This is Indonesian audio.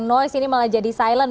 noise ini malah jadi silent